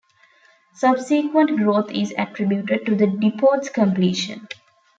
Subsequent growth is attributed to the depot's completion.